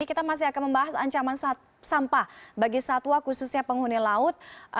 jadi kita masih akan membahas ancaman sampah bagi satwa khususnya penghuni laut